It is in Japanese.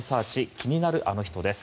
気になるアノ人です。